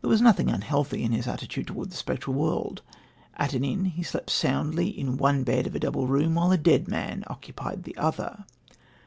There was nothing unhealthy in his attitude towards the spectral world. At an inn he slept soundly in one bed of a double room, while a dead man occupied the other.